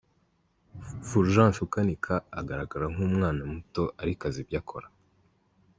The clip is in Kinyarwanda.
Fulgence ukanika agaragara nk’umwana muto ariko azi ibyo akora.